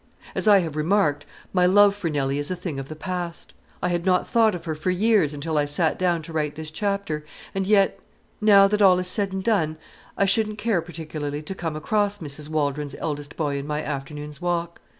As I have remarked, my love for Nelly is a thing of the past. I had not thought of her for years until I sat down to write this chapter, and yet, now that all is said and done, I shouldn't care particularly to come across Mrs. Waldron's eldest boy in my afternoon's walk.